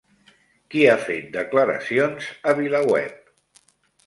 Qui ha fet declaracions a VilaWeb?